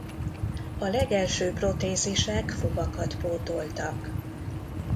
A legelső protézisek fogakat pótoltak.